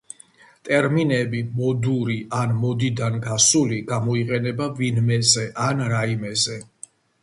ტერმინები "მოდური" ან "მოდიდან გასული" გამოიყენება ვინმეზე ან რაიმეზე